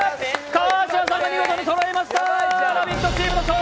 川島さんが見事にそろえました。